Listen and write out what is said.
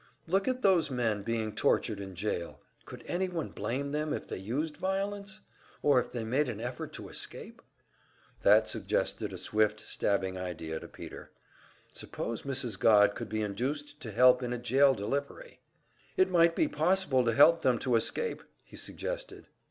Look at those men being tortured in jail! Could anyone blame them if they used violence? Or if they made an effort to escape?" That suggested a swift, stabbing idea to Peter. Suppose Mrs. Godd could be induced to help in a jail delivery! "It might be possible to help them to escape," he suggested.